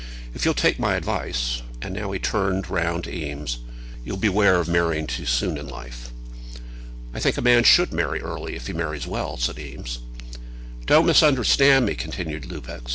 If you'll take my advice," and now he turned round to Eames, "you'll beware of marrying too soon in life." "I think a man should marry early, if he marries well," said Eames. "Don't misunderstand me," continued Lupex.